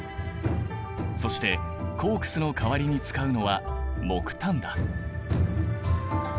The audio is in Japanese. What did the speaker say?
そしてコークスの代わりに使うのは木炭だ。